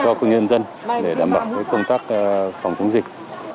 cho công nhân dân để đảm bảo cái công tác phòng chống dịch